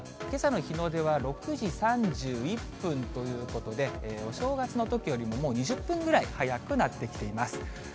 けさの日の出は、６時３１分ということで、お正月のときよりももう２０分ぐらい早くなってきています。